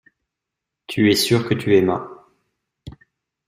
Tu es sûr que tu aimas.